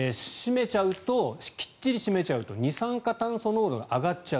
きっちり閉めちゃうと二酸化炭素濃度が上がっちゃう。